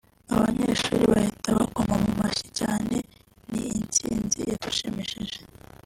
abanyeshuri bahita bakoma mu mashyi cyane […] Ni intsinzi yadushimishije